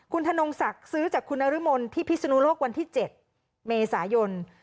คุณธนงศักดิ์ซื้อจากคุณนรมนที่พิศนุโลกวันที่๗เมษายน